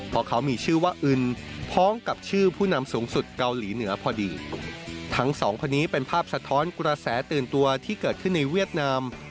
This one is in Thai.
เพราะเขามีชื่อว่าอึนพร้อมกับชื่อผู้นำสูงสุดเกาหลีเหนือพอดีทั้งสองคนนี้เป็นภาพสะท้อนกระแสตื่นตัวที่เกิดขึ้นในเวียดนาม